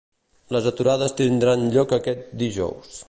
Les aturades tindran lloc aquest dj.